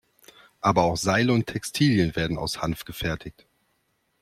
Aber auch Seile und Textilien werden aus Hanf gefertigt.